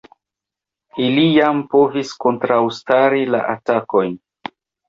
Ili jam povis kontraŭstari la atakojn.